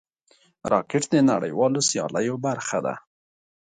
راکټ د نړیوالو سیالیو برخه ده